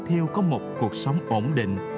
lái thiêu có một cuộc sống ổn định